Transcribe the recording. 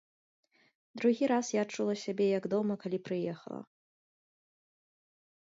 Другі раз я адчула сябе як дома, калі прыехала.